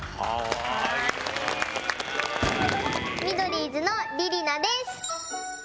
ミドリーズのりりなです。